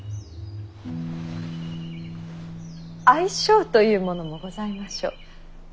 相性というものもございましょう。